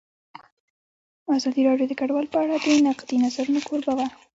ازادي راډیو د کډوال په اړه د نقدي نظرونو کوربه وه.